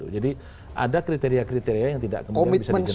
jadi ada kriteria kriteria yang tidak kemudian bisa di generalisir